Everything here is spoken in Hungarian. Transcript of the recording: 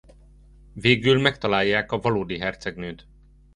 Végül megtalálják a valódi hercegnőt.